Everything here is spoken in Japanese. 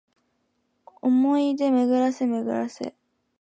想おもい出で巡めぐらせ